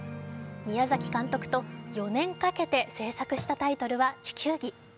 宮崎監督と４年かけて制作したタイトルは「地球儀」。